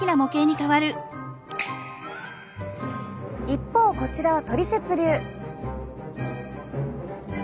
一方こちらはトリセツ流。